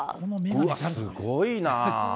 うわっ、すごいなぁ。